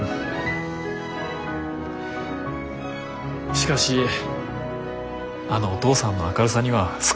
しかしあのお父さんの明るさには救われますね。